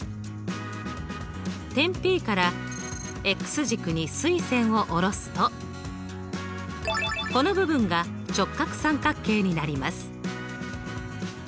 点Ｐから軸に垂線を下ろすとこの部分が直角三角形になります。